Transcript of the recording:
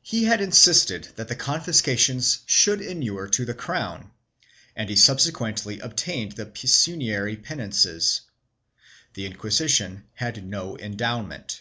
He had insisted that • the confiscations should enure to the crown, and he subsequently obtained the pecuniary penances. The Inquisition had no endowment.